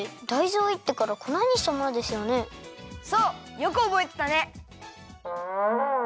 よくおぼえてたね！